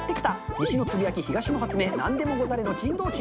西のつぶやき、東の発明、なんでもござれの珍道中。